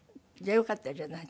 よかったじゃない。